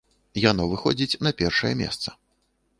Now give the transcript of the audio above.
Яно выходзіць на першае месца.